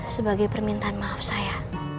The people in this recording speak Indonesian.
sebagai permintaan maaf saya